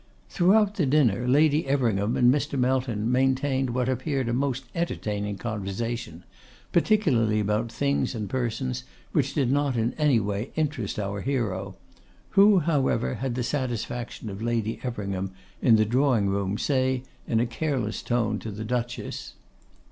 Throughout the dinner Lady Everingham and Mr. Melton maintained what appeared a most entertaining conversation, principally about things and persons which did not in any way interest our hero; who, however, had the satisfaction of hearing Lady Everingham, in the drawing room, say in a careless tone to the Duchess.